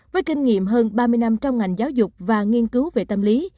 với kinh nghiệm hơn ba mươi năm trong ngành giáo dục và nghiên cứu về tâm lý